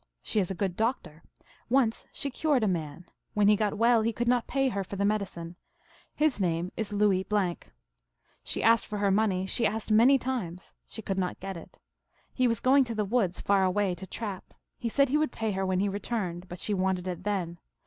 " She is a good doctor. Once she cured a man. When he got well he could not pay her for the med icine. His name is Louis . She asked for her money ; she asked many times ; she could not get it. He was going to the woods, far away, to trap ; he said he would pay her when he returned, but she wanted it then.